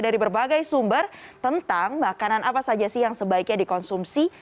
dari berbagai sumber tentang makanan apa saja sih yang sebaiknya dikonsumsi